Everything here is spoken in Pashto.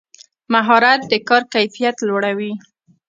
مهارت د کار کیفیت لوړوي